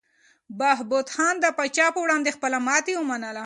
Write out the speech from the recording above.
بهبود خان د پاچا په وړاندې خپله ماتې ومنله.